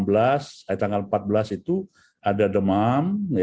kemudian di indonesia juga ada demam